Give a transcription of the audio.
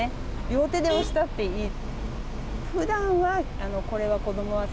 両手で押したっていい。